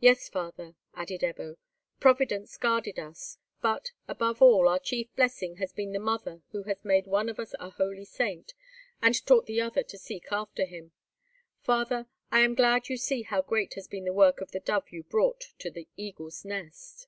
"Yes, father," added Ebbo, "Providence guarded us; but, above all, our chief blessing has been the mother who has made one of us a holy saint, and taught the other to seek after him! Father, I am glad you see how great has been the work of the Dove you brought to the Eagle's Nest."